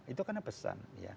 itu karena pesan